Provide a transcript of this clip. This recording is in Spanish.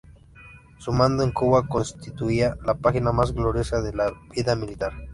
Su mando en Cuba constituía la página más gloriosa de su vida militar.